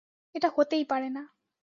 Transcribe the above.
এটা হতেই পারে না!